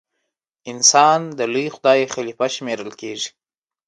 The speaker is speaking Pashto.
انسان د لوی خدای خلیفه شمېرل کیږي.